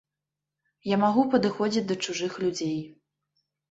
Я магу падыходзіць да чужых людзей.